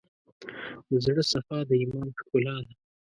د زړه صفا، د ایمان ښکلا ده.